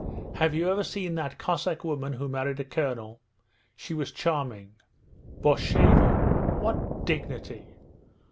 Have you ever seen that Cossack woman who married a colonel; she was charming! Borsheva? What dignity!